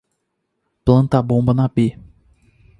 Planta a bomba na B